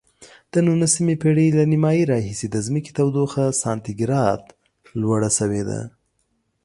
د نولسمې پیړۍ له نیمایي راهیسې د ځمکې تودوخه سانتي ګراد لوړه شوې ده.